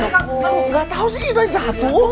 enggak tahu sih udah jatuh